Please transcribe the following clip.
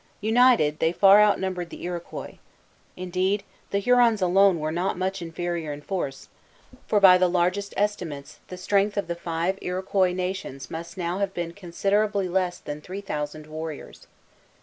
United, they far outnumbered the Iroquois. Indeed, the Hurons alone were not much inferior in force; for, by the largest estimates, the strength of the five Iroquois nations must now have been considerably less than three thousand warriors.